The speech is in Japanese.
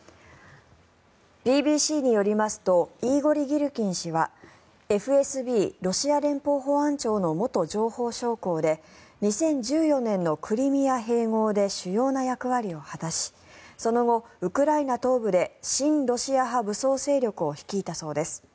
ＢＢＣによりますとイーゴリ・ギルキン氏はＦＳＢ・ロシア連邦保安庁の元情報将校で２０１４年のクリミア併合で主要な役割を果たしその後、ウクライナ東部で親ロシア派武装勢力を率いたそうです。